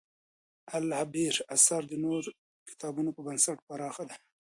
د «العِبر» اثر د نورو کتابونو په نسبت پراخ دی.